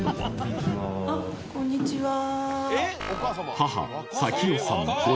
あっこんにちは。